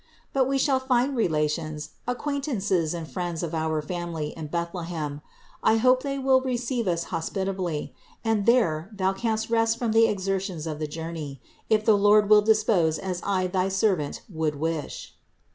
But we shall find relations, acquaintances and friends of our family in Bethlehem; I hope they will receive us hospitably, and there thou canst rest from the exertions of the journey, if the Lord will dispose as I thy servant would wish."